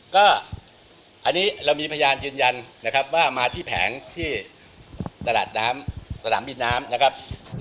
ก็อันนี้เรามีพยานยืนยันนะครับว่ามาที่แผงที่ตลาดน้ำสนามบินน้ำนะครับ